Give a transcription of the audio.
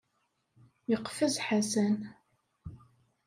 Yeqfez Ḥasan.